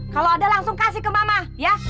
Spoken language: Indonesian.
kalau ada langsung kasih ke mama ya